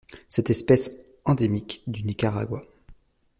Cette espèce endémique du Nicaragua.